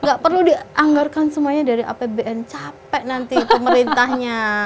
nggak perlu dianggarkan semuanya dari apbn capek nanti pemerintahnya